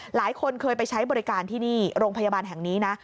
หลายคนเคยไปใช้บริการที่นี่โรงพยาบาลแห่งนี้นะ